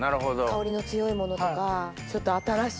香りの強いものとかちょっと新しい。